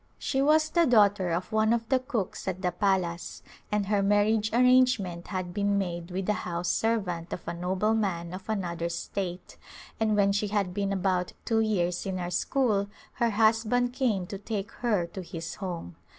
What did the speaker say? She was the daughter of one of the cooks at the palace and her marriage arrangement had been made with a house servant of a nobleman of another state, and when she had been about two years in our school her husband came to take her to his home.